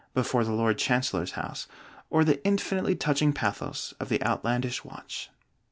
before the Lord Chancellor's house, or the infinitely touching pathos of the Outlandish Watch.